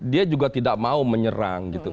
dia juga tidak mau menyerang gitu